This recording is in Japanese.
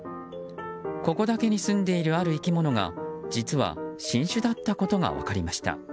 ここだけに住んでいるある生き物が実は、新種だったことが分かりました。